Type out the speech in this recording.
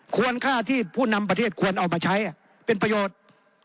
ควรค่าที่ผู้นำประเทศควรเอามาใช้เป็นประโยชน์